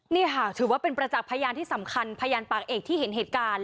นี่ค่ะถือว่าเป็นประจักษ์พยานที่สำคัญพยานปากเอกที่เห็นเหตุการณ์